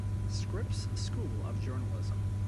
Scripps School of Journalism.